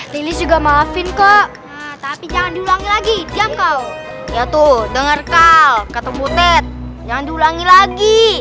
percy juga maafin ke tapi jangan juga lagi heboh yaitu dengan aalkatuse cumu third yang ulangi lagi